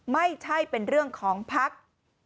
ไม่ใช่เป็นเรื่องของภักดิ์